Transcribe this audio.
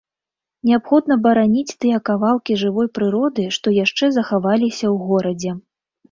Неабходна бараніць тыя кавалкі жывой прыроды, што яшчэ захаваліся ў горадзе.